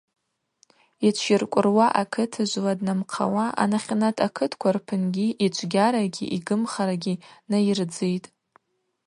Йчвйыркӏвыруа акытыжвла днамхъауа анахьанат акытква рпынгьи йчвгьарагьи йгвымхарагьи найырдзитӏ.